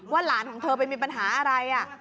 หลานของเธอไปมีปัญหาอะไร